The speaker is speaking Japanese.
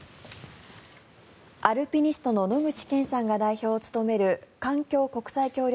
アルピニストの野口健さんが代表を務める環境・国際協力